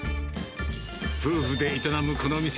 夫婦で営むこの店。